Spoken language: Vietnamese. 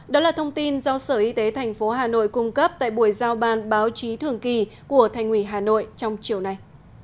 đó là thông tin do sở y tế tp hà nội cung cấp tại buổi giao ban báo chí thường kỳ của thành ủy hà nội trong chiều nay